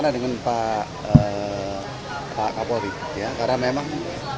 dengan pak kapolri karena memang